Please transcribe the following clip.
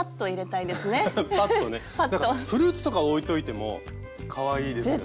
なんかフルーツとか置いといてもかわいいですよね。